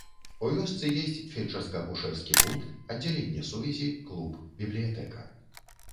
У вёсцы ёсць фельчарска-акушэрскі пункт, аддзяленне сувязі, клуб, бібліятэка.